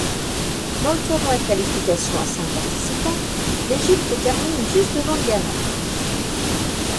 Dans le tournoi de qualification à cinq participants, l’Égypte termine juste devant le Ghana.